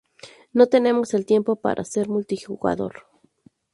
No tenemos el tiempo para hacer multijugador.